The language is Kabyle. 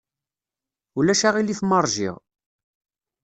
Ulac aɣilif ma ṛjiɣ.